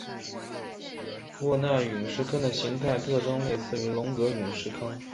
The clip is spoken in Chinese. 沃纳陨石坑的形态特征类似于龙格陨石坑。